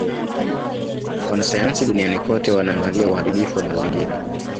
Wanasayansi duniani kote wanaangalia uharibifu wa mazingira